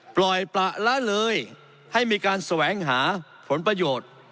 ปล่อยประละเลยให้มีการแสวงหาผลประโยชน์